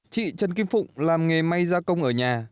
chị trần kim phụng làm nghề may gia công ở nhà